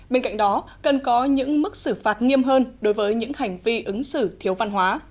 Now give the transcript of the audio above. bên cạnh đó cần có những mức xử phạt nghiêm hơn đối với những hành vi ứng xử thiếu văn hóa